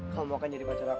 kamu akan jadi pacar aku